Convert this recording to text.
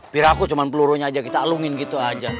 biar aku cuma pelurunya aja kita alungin gitu aja